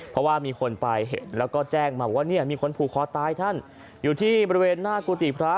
เพราะว่ามีคนไปเห็นแล้วก็แจ้งมาว่าเนี่ยมีคนผูกคอตายท่านอยู่ที่บริเวณหน้ากุฏิพระ